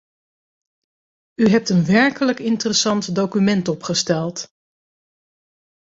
U hebt een werkelijk interessant document opgesteld.